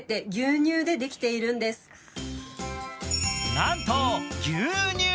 なんと牛乳！